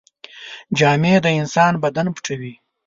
جامې د انسان بدن پټوي.